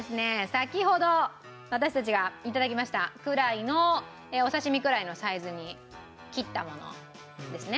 先ほど私たちが頂きましたくらいのお刺身くらいのサイズに切ったものですね。